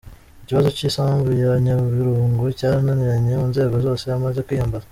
Ikibazo cy’isambu ya Nyabirungu cyarananiranye mu nzego zose amaze kwiyambaza